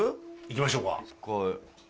行きましょうか。